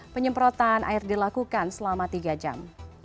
penyemprotan air dilakukan selama tiga jam